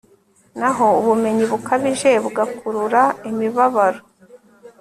naho ubumenyi bukabije bugakurura imibabaro